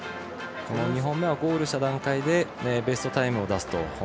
この２本目をゴールした段階でベストタイムを出すと。